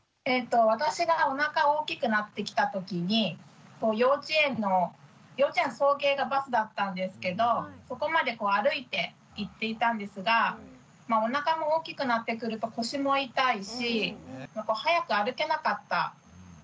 私がおなか大きくなってきたときに幼稚園の送迎がバスだったんですけどそこまで歩いて行っていたんですがおなかも大きくなってくると腰も痛いし早く歩けなかったんですけど。